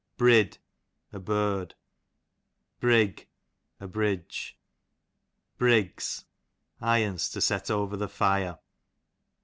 Brid, a bird. Brigg, a bridge. Briggs, irons to set over the fire.